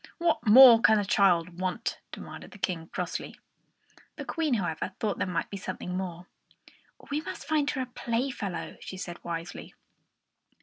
"What more can the child want?" demanded the King, crossly. The Queen, however, thought there might be something more. "We must find her a playfellow," she said wisely.